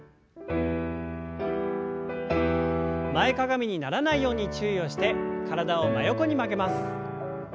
前かがみにならないように注意をして体を真横に曲げます。